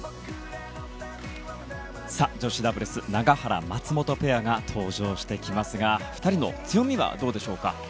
女子ダブルス永原、松本ペアが登場してきますが２人の強みはどうでしょうか。